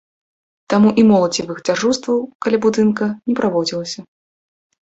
Таму і моладзевых дзяжурстваў каля будынка не праводзілася.